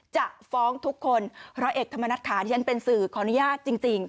จะฟ้องทุกคนร้อยเอกธรรมนัฐค่ะที่ฉันเป็นสื่อขออนุญาตจริง